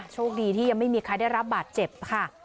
โชคดีที่ยังไม่มีใครได้รับบาดเจ็บค่ะ